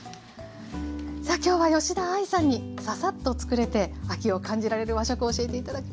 さあ今日は吉田愛さんにササッとつくれて秋を感じられる和食教えて頂きました。